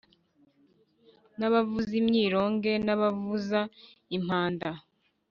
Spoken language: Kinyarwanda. n’abavuza imyironge n’abavuza impanda,